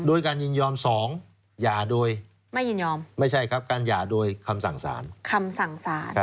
โดยการยืนยอม๒ยาโดยไม่ยืนยอมไม่ใช่ครับการยาโดยคำสั่งสาร